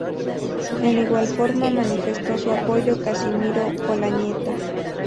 En igual forma manifestó su apoyo Casimiro Olañeta.